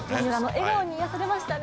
笑顔に癒やされましたね。